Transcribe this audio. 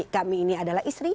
kami ini adalah istri